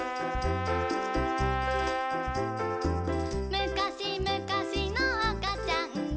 「むかしむかしのあかちゃんが」